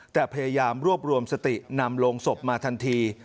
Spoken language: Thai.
แต่พยายามรวบรวมสตินำลงศพมาทันที